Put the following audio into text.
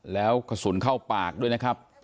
แล้วกระสุนเข้าปากด้วยนะครับ